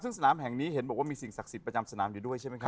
ซึ่งสนามแห่งนี้เห็นบอกว่ามีสิ่งศักดิ์สิทธิ์ประจำสนามอยู่ด้วยใช่ไหมครับ